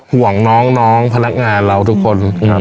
ห่วงน้องพนักงานเราทุกคนครับ